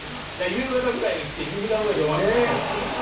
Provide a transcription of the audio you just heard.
夕方くらいに来て２時間くらいで終わったはずやもん。